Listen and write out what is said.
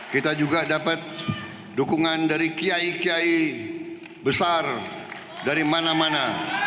kita juga dapat dukungan dari kiai kiai besar dari mana mana